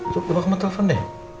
cukup aku mau telfon deh